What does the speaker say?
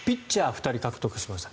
２人獲得しました。